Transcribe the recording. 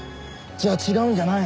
じゃあ違うんじゃないの？